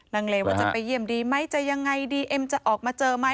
ลังเลว่าจะไปเยี่ยมดีไหมจะยังไงดีเอ็มจะออกมาเจอไหม